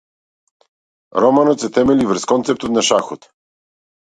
Романот се темели врз концептот на шахот.